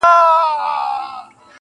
ته به په فکر وې، چي څنگه خرابيږي ژوند.